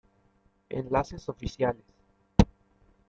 Enlaces Oficiales